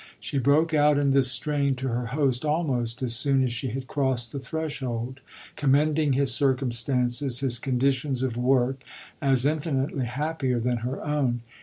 She broke out in this strain to her host almost as soon as she had crossed the threshold, commending his circumstances, his conditions of work, as infinitely happier than her own.